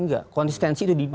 enggak konsistensi itu dimiliki